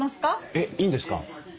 えっいいんですか？